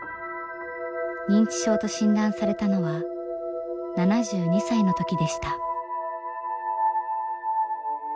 認知症と診断されたのは７２歳の時でした。